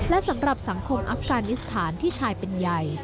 และสำหรับสังคมอัฟกานิสถานที่ชายเป็นใหญ่